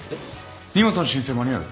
荷物の申請間に合う？